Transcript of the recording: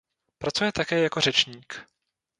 Pracuje také jako řečník.